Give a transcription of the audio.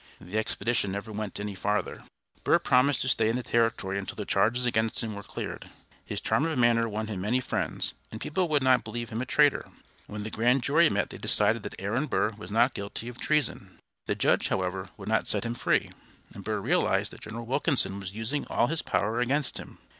The expedition never went any farther. Burr promised to stay in the Territory until the charges against him were cleared up. His charm of manner won him many friends, and people would not believe him a traitor. When the grand jury met they decided that Aaron Burr was not guilty of treason. The judge, however, would not set him free, and Burr realized that General Wilkinson was using all his power against him.